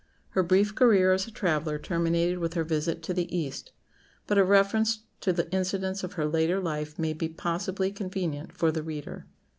Her brief career as a traveller terminated with her visit to the East; but a reference to the incidents of her later life may possibly be convenient for the reader.